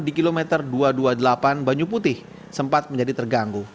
di kilometer dua ratus dua puluh delapan banyu putih sempat menjadi terganggu